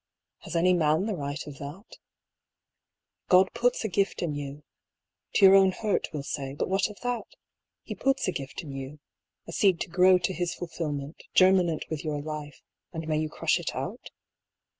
Has any man the right of that? God puts a gift in you — to your own hurt, we'll say, but what of that ?— He puts a gift in you, a seed to grow to His fulfilment, germinant with your life, and may you crush it out?